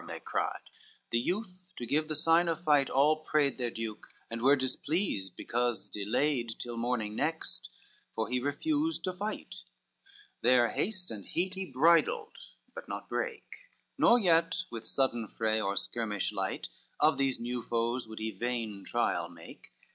they cried; The youth to give the sign of fight all prayed Their Duke, and were displeased because delayed IV Till morning next, for he refused to fight; Their haste and heat he bridled, but not brake, Nor yet with sudden fray or skirmish light Of these new foes would he vain trial make.